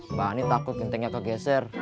mbak ini takut gentengnya kegeser